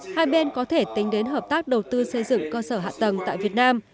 hai bên có thể tính đến hợp tác đầu tư xây dựng cơ sở hạ tầng tại việt nam